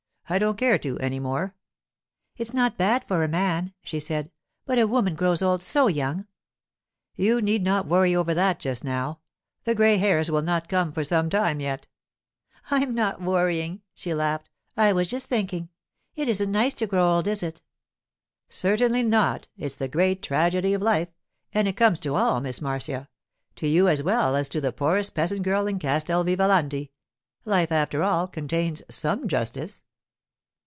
I don't care to, any more.' 'It's not bad for a man,' she said; 'but a woman grows old so young!' 'You need not worry over that just now. The grey hairs will not come for some time yet.' 'I'm not worrying,' she laughed. 'I was just thinking—it isn't nice to grow old, is it?' 'Certainly not. It's the great tragedy of life; and it comes to all, Miss Marcia—to you as well as to the poorest peasant girl in Castel Vivalanti. Life, after all, contains some justice.